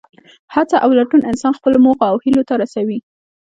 هڅه او لټون انسان خپلو موخو او هیلو ته رسوي.